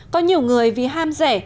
có nhiều người vì ham rẻ